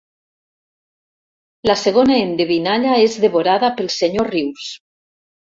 La segona endevinalla és devorada pel senyor Rius.